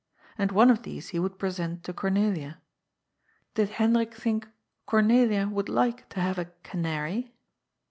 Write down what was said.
And one of these he would pre sent to Cornelia. Did Hendrik think Cornelia would like to haye a canary